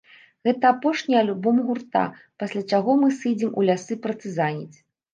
Гэта апошні альбом гурта, пасля чаго мы сыдзем у лясы партызаніць.